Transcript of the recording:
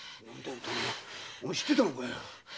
お前知ってたのかよ。